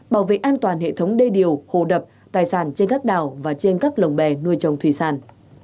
bảo vệ an toàn hệ thống đê điều hồ đập tài sản trên các đảo và trên các lồng bè nuôi trồng thủy sản